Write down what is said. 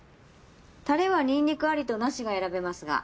タレはニンニクありとなしが選べますが。